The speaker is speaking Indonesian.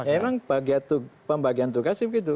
emang bagian tugas itu begitu